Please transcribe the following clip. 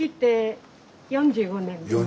４５年。